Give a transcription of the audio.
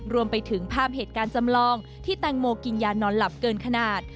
รวมไปถึงภาพเหตุการณ์จำลองที่แตงโมกินยานอนหลับเกินขนาด